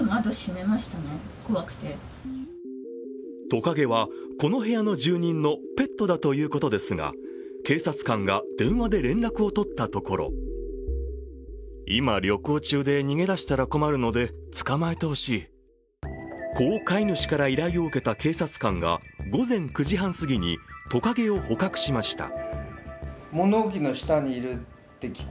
トカゲはこの部屋の住人のペットだということですが警察官が電話で連絡を取ったところこう飼い主から依頼を受けた警察官が午前９時半すぎにトカゲを捕獲しました。